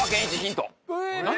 何？